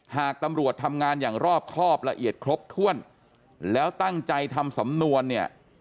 หากตำรวจทำงานอย่างรอบครอบละเอียดครบถ้วนแล้วตั้งใจทำสำนวนเนี่ย